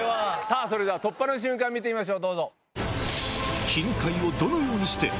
それでは突破の瞬間見てみましょう。